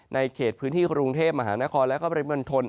เขตพื้นที่กรุงเทพมหานครและก็บริมณฑล